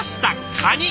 カニ！